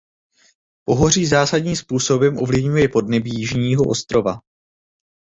Pohoří zásadním způsobem ovlivňuje podnebí Jižního ostrova.